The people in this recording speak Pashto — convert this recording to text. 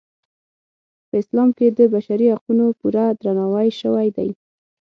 په اسلام کې د بشري حقونو پوره درناوی شوی دی.